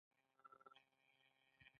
موږ ټولنیز، سیاسي او اقتصادي چوکاټونه جوړوو.